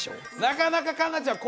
なかなか夏菜ちゃん